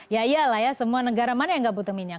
ya iya lah ya semua negara mana yang nggak butuh minyak